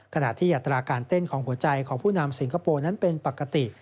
ขณะที่อัตราการเต้นของหัวใจของผู้นำสิงคโปร์นั้นเป็นปกติ